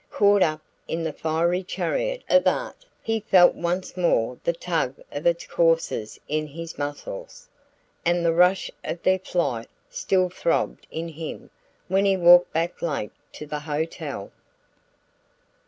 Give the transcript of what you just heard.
Caught up in the fiery chariot of art, he felt once more the tug of its coursers in his muscles, and the rush of their flight still throbbed in him when he walked back late to the hotel.